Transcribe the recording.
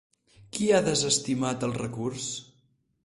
Qui ha desestimat el recurs?